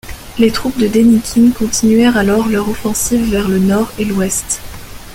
Les troupes de Dénikine continuèrent alors leur offensive vers le nord et l’ouest.